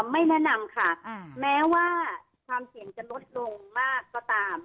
ไม่แนะนำค่ะแม้ว่าความเสี่ยงจะลดลงมากก็ตาม